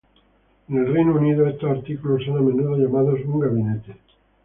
En el Reino Unido, estos artículos son a menudo llamados un gabinete.